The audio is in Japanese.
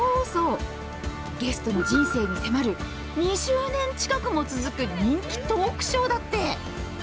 ゲストの人生に迫る２０年近くも続く人気トークショーだって。